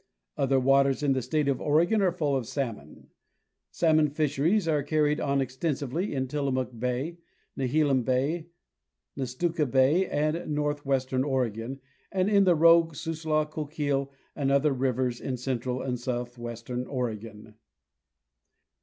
Other waters in the state of Oregon are full of salmon, Salmon fisheries are carried on extensively in Tillamook bay. Nehalem bay, Nestucca bay, in northwestern Oregon, and in the Rogue, Siuslaw, Coquille and other rivers in central and south western Oregon.